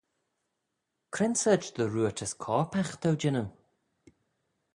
Cre'n sorçh dy roortys corpagh t'ou jannoo?